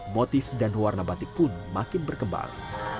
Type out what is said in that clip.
motif dan warna batik pun makin berkembang